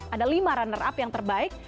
ada lima runner up yang terbaik